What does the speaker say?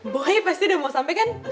boy pasti udah mau sampai kan